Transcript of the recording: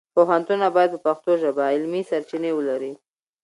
پوهنتونونه باید په پښتو ژبه علمي سرچینې ولري.